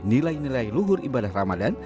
nilai nilai luhur ibadah ramadan